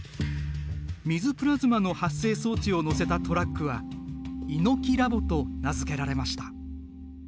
水プラズマの発生装置を載せたトラックはＩＮＯＫＩＬａｂと名付けられました。